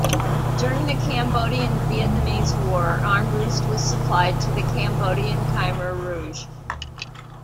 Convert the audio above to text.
During the Cambodian-Vietnamese War, Armbrust was supplied to the Cambodian Khmer Rouge.